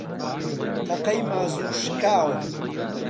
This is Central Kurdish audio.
تەقەی مازوو شکاوە